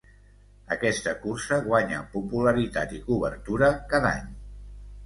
Aquesta cursa guanya popularitat i cobertura cada any.